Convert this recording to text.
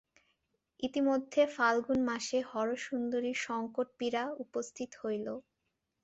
ইতিমধ্যে ফাল্গুন মাসে হরসুন্দরীর সংকট পীড়া উপস্থিত হইল।